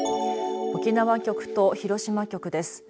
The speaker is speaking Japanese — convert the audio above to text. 沖縄局と広島局です。